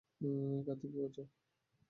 কার্তিক, কী করছো?